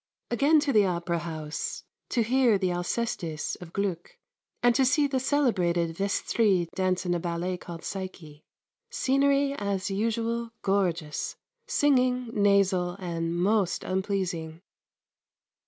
Again to the Opera House to hear the Alcestis of Gluck, and to see the celebrated Vestris dance in a ballet called Psyche. Scenery as usual gorgeous, singing nasal and most unpleasing.